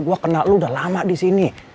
gue kenal lo udah lama disini